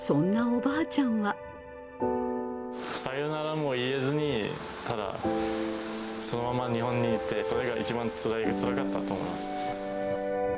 さよならも言えずに、ただ、そのまま日本にいて、それが一番つらかったと思います。